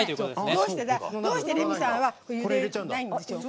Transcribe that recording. どうして、レミさんはゆでないんでしょうか。